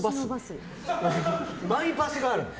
マイバスがあるの？